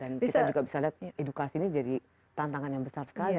dan kita juga bisa lihat edukasi ini jadi tantangan yang besar sekali